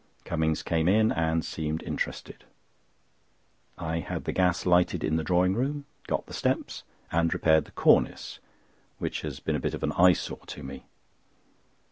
Cummings came in, and seemed interested. I had the gas lighted in the drawing room, got the steps, and repaired the cornice, which has been a bit of an eyesore to me.